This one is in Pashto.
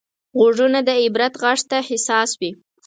غوږونه د عبرت غږ ته حساس وي